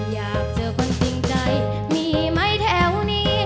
อยากเจอคนจริงใจมีไหมแถวนี้